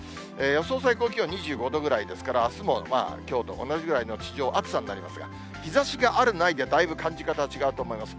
予想最高気温２５度ぐらいですから、あすもきょうと同じぐらいの地上、暑さになりますが、日ざしがある、ないでだいぶ感じ方は違うと思います。